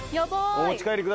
お持ち帰りください。